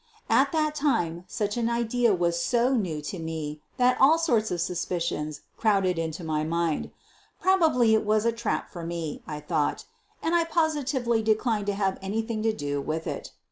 At that time such an idea was so new to me that all sorts of suspicions crowded into my mind. Prob ably it was a trap for me, I thought, and I posi tively declined to have anything to do with it.